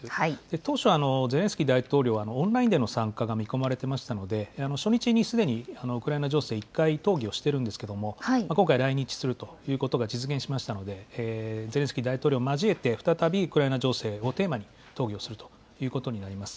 当初、ゼレンスキー大統領はオンラインでの参加が見込まれてましたので、初日にすでにウクライナ情勢、一回討議をしてるんですけれども、今回、来日するということが実現しましたので、ゼレンスキー大統領を交えて、再びウクライナ情勢をテーマに討議をするということになります。